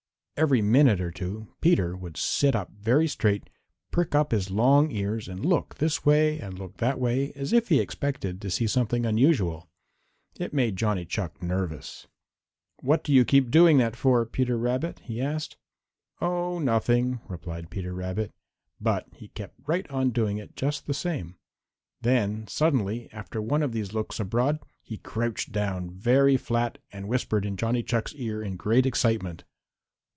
Every minute or two Peter would sit up very straight, prick up his long ears and look this way and look that way as if he expected to see something unusual. It made Johnny Chuck nervous. "What do you keep doing that for, Peter Rabbit?" he asked. "Oh, nothin'," replied Peter Rabbit. But he kept right on doing it just the same. Then suddenly, after one of these looks abroad, he crouched down very flat and whispered in Johnny Chuck's ear in great excitement.